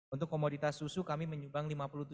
untuk komoditas susu kami menyumbang lima puluh tujuh